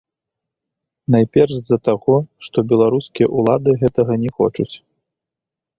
Найперш з-за таго, што беларускія ўлады гэтага не хочуць.